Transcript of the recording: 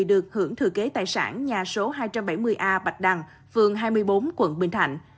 được hưởng thừa kế tài sản nhà số hai trăm bảy mươi a bạch đằng phường hai mươi bốn quận bình thạnh